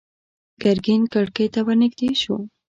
ګرګين کړکۍ ته ور نږدې شو.